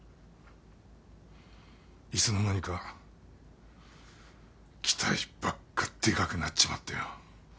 いつの間にか期待ばっかでかくなっちまってよ。